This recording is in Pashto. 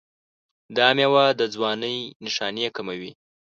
دا میوه د ځوانۍ نښانې کموي.